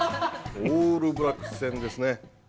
オールブラックス戦ですね。